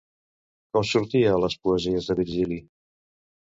Com sortia a les poesies de Virgili?